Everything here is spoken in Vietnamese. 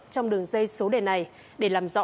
trong đường dây số đề này để làm rõ